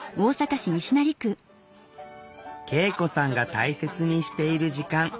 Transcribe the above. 圭永子さんが大切にしている時間。